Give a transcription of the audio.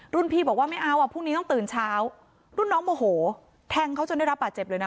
พี่บอกว่าไม่เอาอ่ะพรุ่งนี้ต้องตื่นเช้ารุ่นน้องโมโหแทงเขาจนได้รับบาดเจ็บเลยนะ